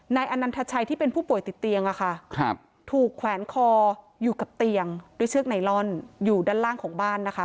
อนันทชัยที่เป็นผู้ป่วยติดเตียงถูกแขวนคออยู่กับเตียงด้วยเชือกไนลอนอยู่ด้านล่างของบ้านนะคะ